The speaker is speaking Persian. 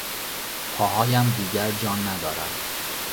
پاهایم دیگر جان ندارد.